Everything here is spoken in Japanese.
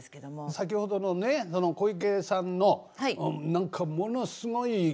先ほどのね小池さんの何かものすごい数あるんでしょ。